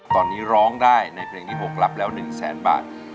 ตอนนี้ร้องได้ในเพลงที่๖รับแล้ว๑แสนบาท